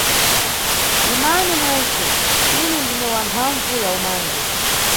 Imani mwentse, ine ndine wa mphambvu ya umangi.